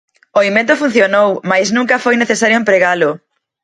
O invento funcionou, mais nunca foi necesario empregalo.